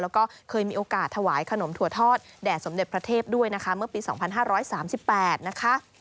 แล้วก็เคยมีโอกาสถวายขนมถั่วทอดแด่สมเด็จพระเทพด้วยนะคะเมื่อปี๒๕๓๘นะคะ